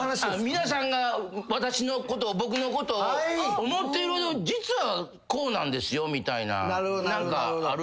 皆さんが私のことを僕のことを思ってるほど実はこうなんですよみたいな何かある？